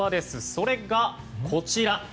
それが、こちら。